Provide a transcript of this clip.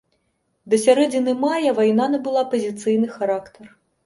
Да сярэдзіны мая вайна набыла пазіцыйны характар.